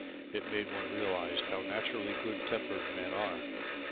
it made one realize how naturally good tempered men are.